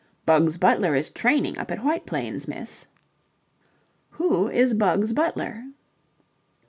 "Bugs Butler is training up at White Plains, miss." "Who is Bugs Butler?"